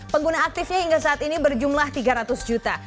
pengguna aktifnya hingga saat ini berjumlah tiga ratus juta